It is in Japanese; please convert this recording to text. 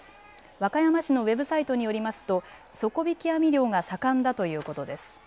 和歌山市のウェブサイトによりますと底引き網漁が盛んだということです。